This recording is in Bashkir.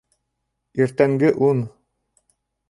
Иртәнге ун